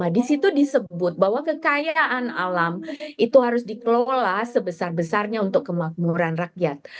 di situ disebut bahwa kekayaan alam itu harus dikelola sebesar besarnya untuk kemakmuran rakyat